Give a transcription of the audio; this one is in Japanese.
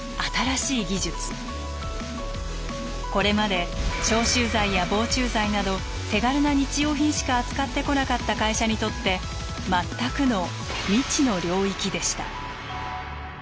これまで消臭剤や防虫剤など手軽な日用品しか扱ってこなかった会社にとって全くの未知の領域でした。